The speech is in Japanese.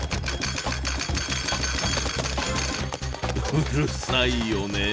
うるさいよね。